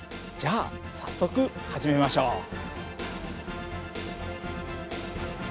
じゃあ早速始めましょう。